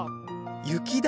雪だ。